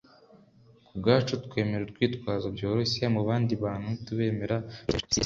ku bwacu, twemera urwitwazo byoroshye; mu bandi bantu, ntitubemera byoroshye bihagije - c s lewis